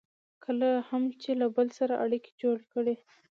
کله هم چې له بل سره اړیکې جوړې کړئ.